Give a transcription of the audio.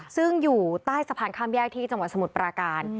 ซึ่งอยู่ใต้สะพานข้ามแยกที่จังหวัดสมุทรปราการ